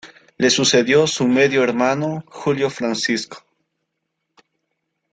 Le sucedió su medio hermano Julio Francisco.